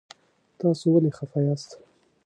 تاسو ولې خفه یاست؟